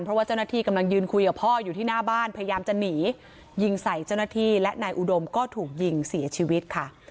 เพราะว่าเจ้าหน้าที่กำลังยืนคุยกับพ่ออยู่ที่หน้าบ้านพยายามจะหนียิงใส่เจ้าหน้าที่และนายอุดมก็ถูกยิงเสียชีวิตค่ะ